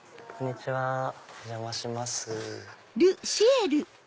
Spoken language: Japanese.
お邪魔します。